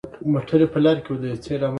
د پکتیا په وزه ځدراڼ کې د کرومایټ نښې شته.